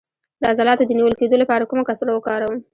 د عضلاتو د نیول کیدو لپاره کومه کڅوړه وکاروم؟